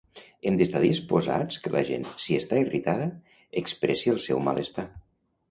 Hem d’estar disposats que la gent, si està irritada, expressi el seu malestar.